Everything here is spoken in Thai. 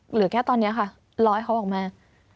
เหลือแค่ตอนนี้ค่ะร้อยเขาออกมา